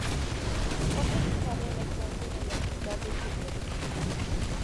Poco se sabe de la estancia en el hospital de Hitler.